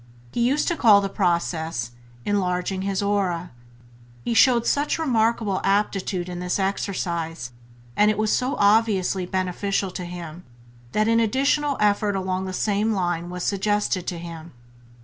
He used to call the process "enlarging his aura". He showed such remarkable aptitude in this exercise, and it was so obviously beneficial to him, that an additional effort along the same line was suggested to him.